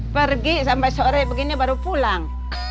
pergi sampai sore begini baru pulang